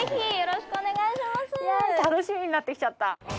楽しみになってきちゃった。